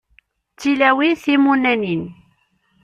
D tilawin timunanin.